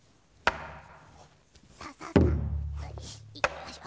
よいしょ。